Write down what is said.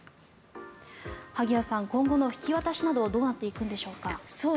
萩谷さん、今後の引き渡しなどどうなっていくんでしょうか。